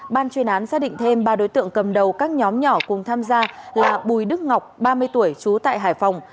ban chuyên án xác định thêm ba đối tượng cầm đầu các nhóm nhỏ cùng tham gia là bùi đức ngọc ba mươi tuổi trú tại hải phòng